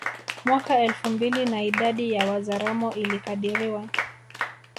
Mwaka elfu mbili na idadi ya Wazaramo ilikadiriwa